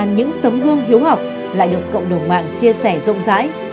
những tấm gương hiếu học lại được cộng đồng mạng chia sẻ rộng rãi